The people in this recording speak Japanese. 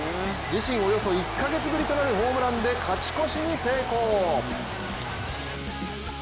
自身およそ１カ月ぶりとなるホームランで勝ち越しに成功。